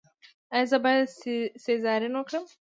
ایا زه باید سیزارین وکړم؟